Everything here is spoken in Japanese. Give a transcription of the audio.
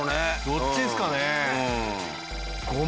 どっちですかね？